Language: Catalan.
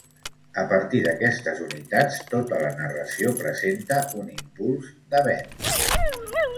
A partir d'aquestes unitats, tota la narració presenta un impuls d'avenç.